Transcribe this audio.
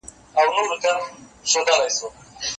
له ښار او کلي وتلی دم دی